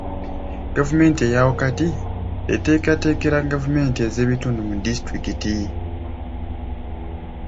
Gavumenti eya wakati eteekateekera gavumenti ez'ebitundu mu disitulikiti.